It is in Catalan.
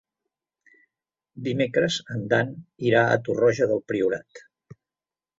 Dimecres en Dan irà a Torroja del Priorat.